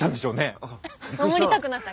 守りたくなった？